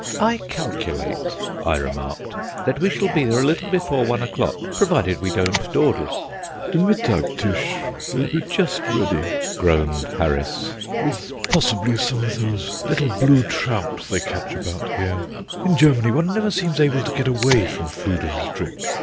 "I calculate," I remarked, "that we shall be there a little before one o'clock, provided we don't dawdle." "The 'mittagstisch' will be just ready," groaned Harris, "with possibly some of those little blue trout they catch about here. In Germany one never seems able to get away from food and drink.